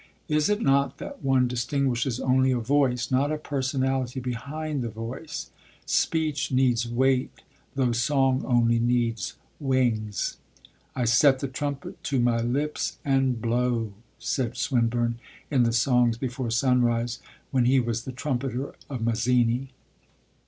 Is it not that one distinguishes only a voice, not a personality behind the voice? Speech needs weight, though song only needs wings. I set the trumpet to my lips and blow, said Swinburne in the Songs before Sunrise, when he was the trumpeter of Mazzini.